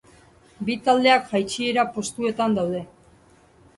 Bi taldeak jaitsiera postuetan daude.